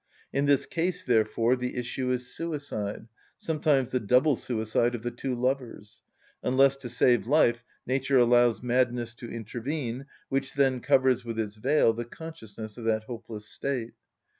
In this case, therefore, the issue is suicide, sometimes the double suicide of the two lovers; unless, to save life, nature allows madness to intervene, which then covers with its veil the consciousness of that hopeless state.